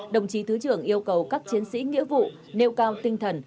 đồng chí thứ trưởng yêu cầu các chiến sĩ nghĩa vụ nêu cao tinh thần